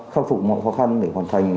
khắc phục mọi khó khăn để hoàn thành